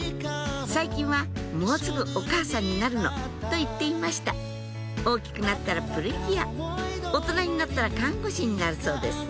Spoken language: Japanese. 最近は「もうすぐお母さんになるの」と言っていました大きくなったらプリキュア大人になったら看護師になるそうです